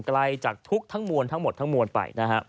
ไกลจากทุกทั้งมวลทั้งหมดทั้งมวลไปนะฮะ